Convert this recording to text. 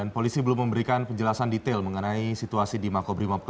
polisi juga meminta warga untuk mencari penyelamat dari makobrimob